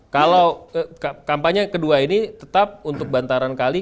kalau kampanye kedua ini tetap untuk bantaran kali